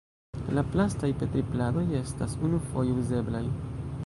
La plastaj Petri-pladoj estas unufoje uzeblaj.